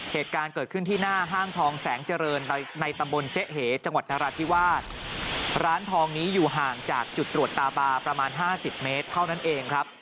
เหตุการณ์เกิดขึ้นที่หน้าห้างทองแสงเจริญในตำบลเจ๊เหจังหวัดนราธิวาสร้านทองนี้อยู่ห่างจากจุดตรวจตาบาประมาณห้าสิบเมตรเท่านั้นเองครับ